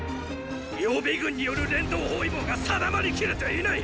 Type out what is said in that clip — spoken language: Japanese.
予備軍による連動包囲網が定まりきれていない！